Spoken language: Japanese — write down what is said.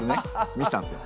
見せたんですよ。